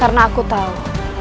karena aku tahu